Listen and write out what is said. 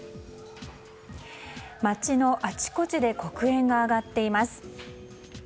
街のあちこちで黒煙が上がっています。